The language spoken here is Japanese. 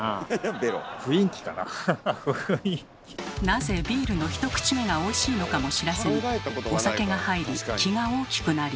なぜビールの１口目がおいしいのかも知らずにお酒が入り気が大きくなり。